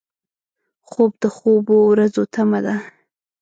خوب د خوبو ورځو تمه ده